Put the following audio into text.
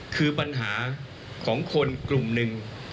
คือปัญหาของคนกลุ่มหนึ่ง